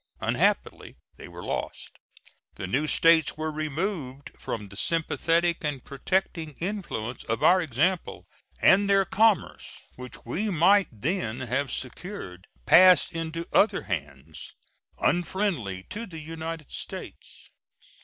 Unhappily, they were lost; the new States were removed from the sympathetic and protecting influence of our example, and their commerce, which we might then have secured, passed into other hands, unfriendly to the United States.